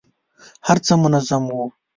هر څه منظم وو.